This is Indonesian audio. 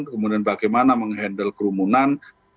kemudian bagaimana menghandle kerumunan